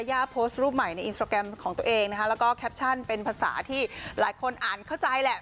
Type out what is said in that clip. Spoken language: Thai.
โพสต์รูปใหม่ในอินสตราแกรมของตัวเองนะคะแล้วก็แคปชั่นเป็นภาษาที่หลายคนอ่านเข้าใจแหละ